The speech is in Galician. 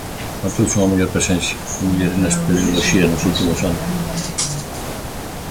Notouse unha maior presenza de mulleres na espeleoloxía nos últimos anos?